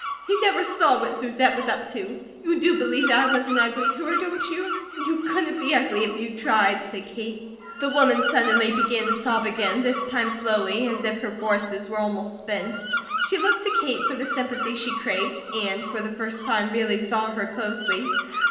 He never saw what Susette was up to. You do believe that I wasn't ugly to her, don't you?" "You COULDN'T be ugly if you tried," said Kate. The woman suddenly began to sob again, this time slowly, as if her forces were almost spent. She looked to Kate for the sympathy she craved and for the first time really saw her closely.